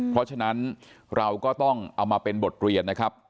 เพราะฉะนั้นเราก็ต้องเอามาเป็นบทเรียนนะครับ